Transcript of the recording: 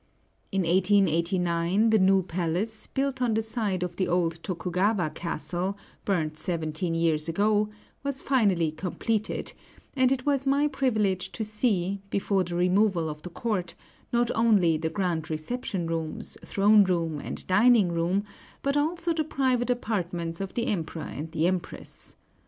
In 1889, the new palace, built on the site of the old Tokugawa Castle, burnt seventeen years ago, was finally completed; and it was my privilege to see, before the removal of the court, not only the grand reception rooms, throne room, and dining room, but also the private apartments of the Emperor and Empress.